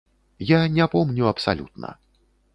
Я не помню абсалютна.